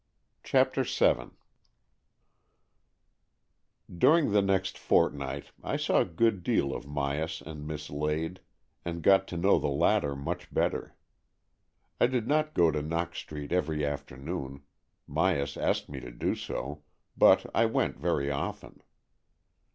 CHAPTER VII During the next fortnight I saw a good deal of Myas and Miss Lade, and got to know the latter much better. I did not go to Knox Street every afternoon — Myas asked me to do so — but I went very often.